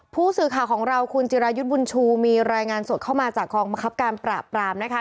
ผู้สื่อข่าวของเราคุณจิรายุทธ์บุญชูมีรายงานสดเข้ามาจากกองบังคับการปราบปรามนะคะ